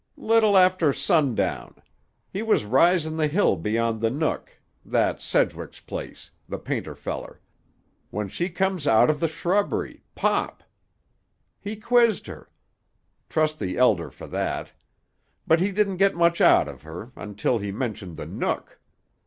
"Little after sundown. He was risin' the hill beyond the Nook—that's Sedgwick's place, the painter feller—when she come out of the shrubbery—pop! He quizzed her. Trust the Elder for that. But he didn't get much out of her, until he mentioned the Nook.